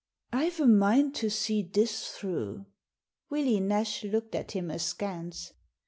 " I've a mind to see this through." Willie Nash looked at him askance.